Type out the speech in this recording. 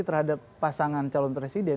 terhadap pasangan calon presiden